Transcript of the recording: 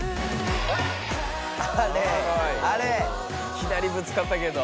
左ぶつかったけど。